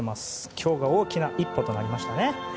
今日が大きな一歩となりましたね。